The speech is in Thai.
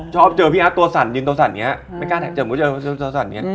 ชอบเจอพี่อาร์ตตัวสั่นยืนตัวสั่นนี้